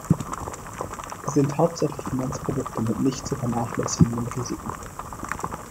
Sie sind hauptsächlich Finanzprodukte mit nicht zu vernachlässigenden Risiken.